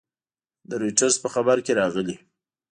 د رویټرز په خبر کې راغلي